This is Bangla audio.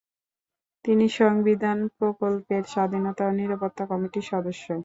তিনি সংবিধান প্রকল্পের স্বাধীনতা ও নিরাপত্তা কমিটির সদস্য।